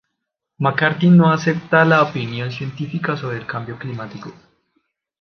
McCarthy no acepta la opinión científica sobre el cambio climático.